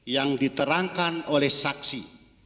yang diterangkan oleh saksi